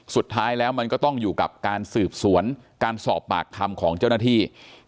สุดท้ายแล้วมันก็ต้องอยู่กับการสืบสวนการสอบปากคำของเจ้าหน้าที่